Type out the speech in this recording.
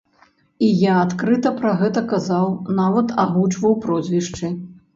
І я адкрыта пра гэта казаў, нават агучваў прозвішчы.